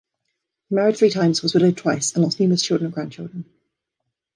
He married three times, was widowed twice and lost numerous children and grandchildren.